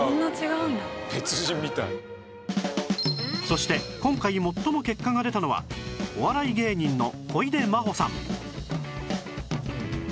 そして今回最も結果が出たのはお笑い芸人の小出真保さん